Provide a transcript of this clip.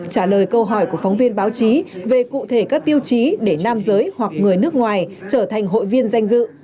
trả lời câu hỏi của phóng viên báo chí về cụ thể các tiêu chí để nam giới hoặc người nước ngoài trở thành hội viên danh dự